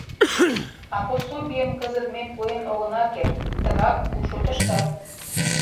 — А пособийым кызыт ме пуэн огына керт. Тыгак пу шотыштат.